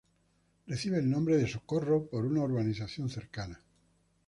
Recibe el nombre de Socorro por una urbanización cercana.